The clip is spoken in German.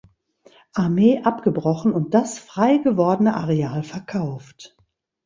Armee abgebrochen und das frei gewordene Areal verkauft.